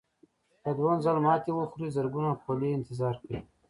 که دوهم ځل ماتې وخورئ زرګونه خولې انتظار کوي.